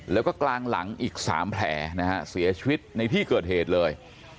แล้วก็กลางหลังอีก๓แผลนะฮะเสียชีวิตในที่เกิดเหตุเลย